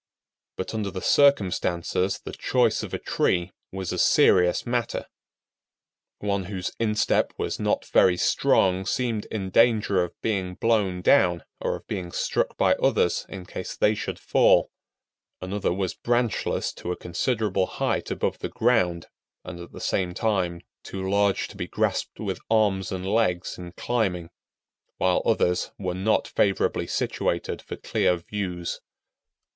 But under the circumstances the choice of a tree was a serious matter. One whose instep was not very strong seemed in danger of being blown down, or of being struck by others in case they should fall; another was branchless to a considerable height above the ground, and at the same time too large to be grasped with arms and legs in climbing; while others were not favorably situated for clear views.